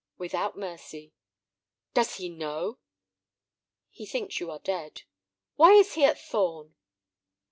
"Without mercy." "Does he know?" "He thinks you dead." "Why is he at Thorn?"